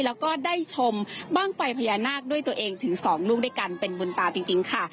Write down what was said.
แล้วก็ได้ชมบ้างไฟพญานาคด้วยตัวเองถึงสองลูกด้วยกันเป็นบุญตาจริงค่ะ